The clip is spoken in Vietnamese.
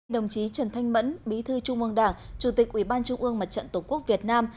đồng chí trần thanh mẫn bí thư trung mương đảng chủ tịch ủy ban trung ương mặt trận tổ quốc việt nam